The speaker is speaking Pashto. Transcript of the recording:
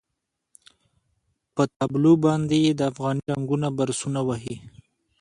پر تابلو باندې یې د افغاني رنګونو برسونه وهي.